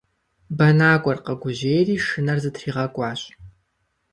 Бэнакӏуэр къэгужьейри шынэр зытригъэкӏуащ.